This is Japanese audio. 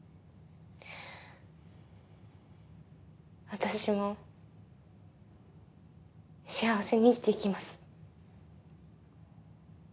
私も幸せに生きていきます。